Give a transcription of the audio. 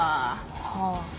はあ。